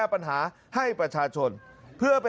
สมัยไม่เรียกหวังผม